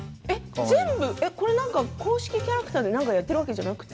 公式キャラクターでなんかやってるわけじゃなくて？